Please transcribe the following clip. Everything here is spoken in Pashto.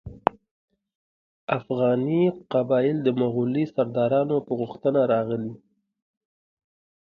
اوغاني قبایل د مغولي سردارانو په غوښتنه راغلي.